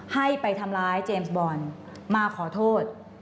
ให้ไปทำร้ายเจมส์บอลมาขอโทษ